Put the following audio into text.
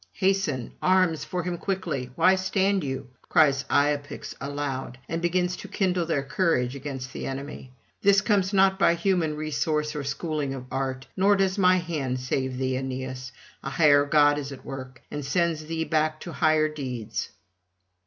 'Hasten! arms for him quickly! why stand you?' cries Iapix aloud, and begins to kindle their courage against the enemy; 'this comes not by human resource or schooling of art, nor does my hand save thee, Aeneas: a higher god is at work, and sends thee back to higher deeds.'